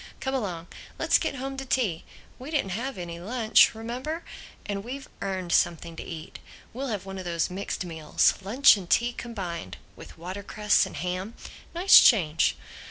Come along. Let's get home to tea. We didn't have any lunch, remember. And we've earned something to eat. We'll have one of those mixed meals, lunch and tea combined—with watercress and ham. Nice change.